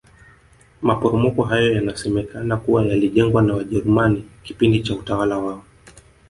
maporomoko hayo yanasenekana kuwa yalijengwa na wajerumani kipindi cha utawala wao